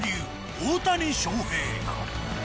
大谷翔平。